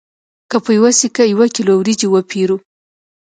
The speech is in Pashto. که په یوه سکه یو کیلو وریجې وپېرو